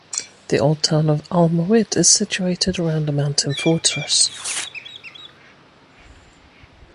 The old town of Al-Mahwit is situated around a mountain fortress.